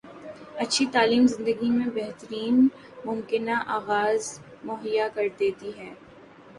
اچھی تعلیم زندگی میں بہترین ممکنہ آغاز مہیا کردیتی ہے